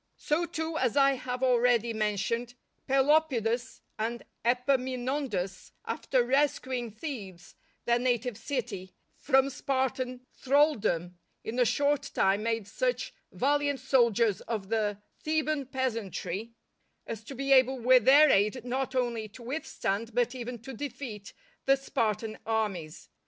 So too, as I have already mentioned, Pelopidas and Epaminondas after rescuing Thebes, their native city, from Spartan thraldom, in a short time made such valiant soldiers of the Theban peasantry, as to be able with their aid not only to withstand, but even to defeat the Spartan armies.